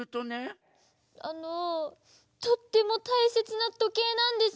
あのとってもたいせつなとけいなんです。